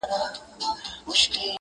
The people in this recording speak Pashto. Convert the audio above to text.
په منډه نه ده، په ټنډه ده.